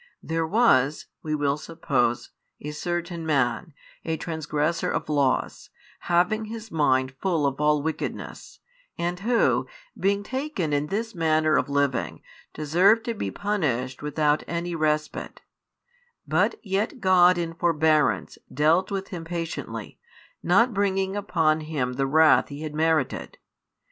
There was (we will suppose) a certain man, a transgressor of laws, having his mind full of all wickedness, and who, being taken in this manner of lining, deserved to be punished without any respite; but yet God in forbearance dealt with him patiently, not bringing upon him the wrath he had merited.